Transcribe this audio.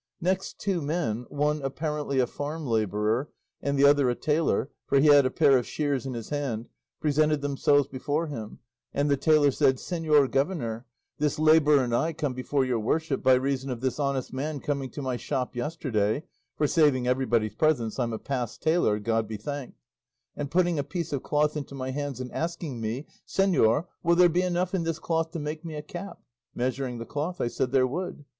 Next, two men, one apparently a farm labourer, and the other a tailor, for he had a pair of shears in his hand, presented themselves before him, and the tailor said, "Señor governor, this labourer and I come before your worship by reason of this honest man coming to my shop yesterday (for saving everybody's presence I'm a passed tailor, God be thanked), and putting a piece of cloth into my hands and asking me, 'Señor, will there be enough in this cloth to make me a cap?' Measuring the cloth I said there would.